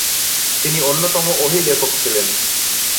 তিনি অন্যতম ওহী লেখক ছিলেন।